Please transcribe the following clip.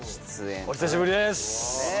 お久しぶりです！